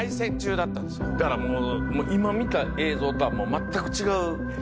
だからもう今見た映像とは全く違う。